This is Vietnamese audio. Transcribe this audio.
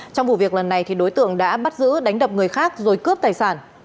trong vụ việc lần này đối tượng đã bắt giữ đánh đập người khác rồi cướp tài sản